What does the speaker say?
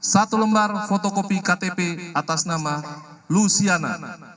satu lembar fotokopi ktp atas nama luciana